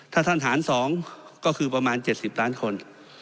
ถ้าท่านหาร๒ก็คือประมาณ๗๐ล้านคน